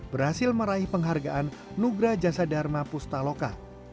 berhasil meraih penghargaan nugra jasadharma pustaloka